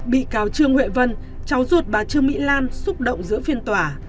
bị cáo trương huệ vân cháu ruột bà trương mỹ lan xúc động giữa phiên tòa